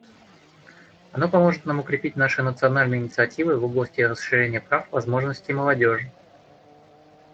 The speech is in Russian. Оно поможет нам укрепить наши национальные инициативы в области расширения прав и возможностей молодежи.